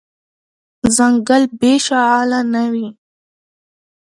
ځنګل بی شغاله نه وي .